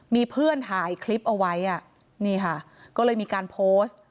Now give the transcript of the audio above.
มีเพื่อนถ่ายคลิปเอาไว้อ่ะนี่ค่ะก็เลยมีการโพสต์